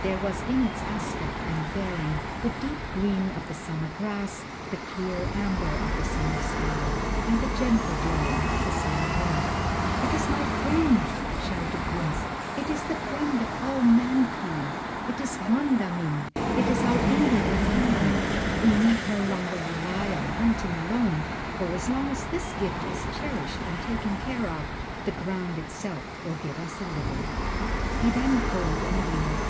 There was in its aspect and bearing the deep green of the summer grass, the clear amber of the summer sky, and the gentle blowing of the summer wind. "It is my friend!" shouted Wunzh, "it is the friend of all mankind. It is Mondawmin: it is our Indian Corn! We need no longer rely on hunting alone, for as long as this gift is cherished and taken care of, the ground itself will give us a living." He then pulled an ear.